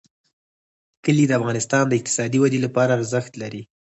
کلي د افغانستان د اقتصادي ودې لپاره ارزښت لري.